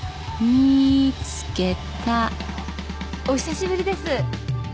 お久しぶりです。